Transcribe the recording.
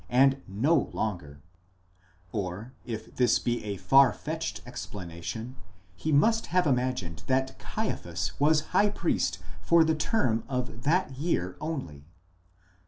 ° and no longer ;. or, if this be a far fetched explanation, he must have imagined that Caiaphas. was high priest for the term of that year only.